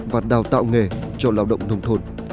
và đào tạo nghề cho lao động nông thôn